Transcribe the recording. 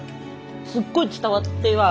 すっごい伝わっては。